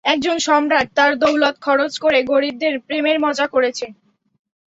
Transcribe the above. একজন সম্রাট তার দৌলত খরচ করে, গরীবদের প্রেমের মজা করেছে।